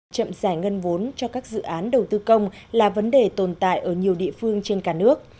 chậm giải ngân vốn cho các dự án đầu tư công là vấn đề tồn tại ở nhiều địa phương trên cả nước